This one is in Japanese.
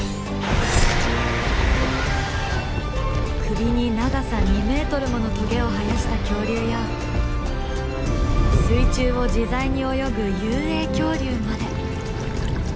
首に長さ２ｍものトゲを生やした恐竜や水中を自在に泳ぐ遊泳恐竜まで。